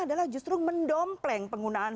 adalah justru mendompleng penggunaan